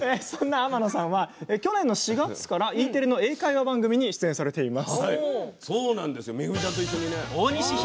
天野さんは去年の４月からＥテレの英会話番組に出演されています。